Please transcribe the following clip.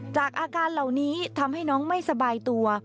อาการเหล่านี้ทำให้น้องไม่สบายตัว